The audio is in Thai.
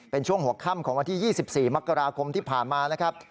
เป็นช่วงหัวค่ำของวันที่๒๔มกราคมที่ผ่านมานะครับ